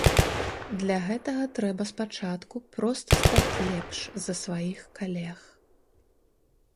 Для гэтага трэба спачатку проста стаць лепш за сваіх калег.